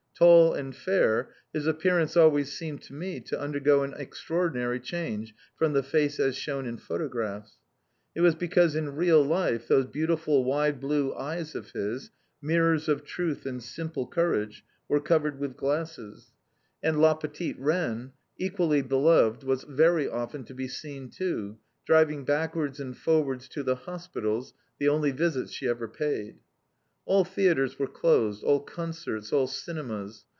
Tall and fair, his appearance always seemed to me to undergo an extraordinary change from the face as shewn in photographs. It was because in real life those beautiful wide blue eyes of his, mirrors of truth and simple courage, were covered with glasses. And "la petite Reine," equally beloved, was very often to be seen too, driving backwards and forwards to the hospitals, the only visits she ever paid. All theatres were closed, all concerts, all cinemas.